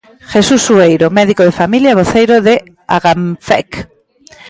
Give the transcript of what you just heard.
Jesús Sueiro, médico de familia e voceiro de Agamfec.